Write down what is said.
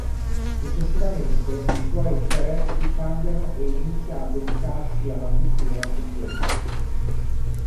Successivamente, i suoi interessi cambiano e inizia a dedicarsi alla pittura su vetro.